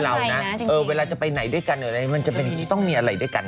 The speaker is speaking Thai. เพราะเรานะเวลาจะไปไหนด้วยกันมันก็มีอะไรด้วยกัน